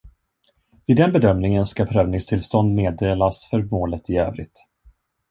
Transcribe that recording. Vid den bedömningen ska prövningstillstånd meddelas för målet i övrigt.